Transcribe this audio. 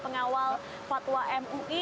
pengawal fatwa mui